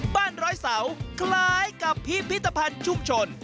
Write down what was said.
บ้านร้อยเสาคล้ายกับพิพิธภัณฑ์ชุมชน